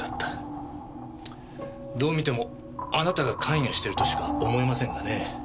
どう見てもあなたが関与してるとしか思えませんがね。